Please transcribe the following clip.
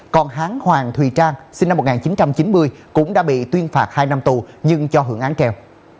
còn hán hoàng thùy trang sinh năm một nghìn chín trăm chín mươi cũng đã bị tuyên phạt hai năm tù nhưng cho hưởng án treo